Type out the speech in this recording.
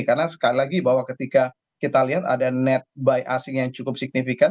karena sekali lagi bahwa ketika kita lihat ada net buy asing yang cukup signifikan